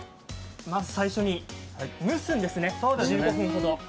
最初に蒸すんです、１５分ほど。